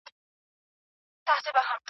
مسلکیتوب د ټولنې وده تضمینوي.